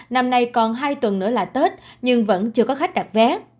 năm nay còn hai tuần nữa là tết nhưng vẫn chưa có khách đặt vé